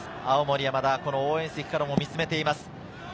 青森山田、応援席からも見つめています。